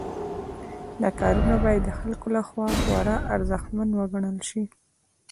دا کارونه باید د خلکو لخوا خورا ارزښتمن وګڼل شي.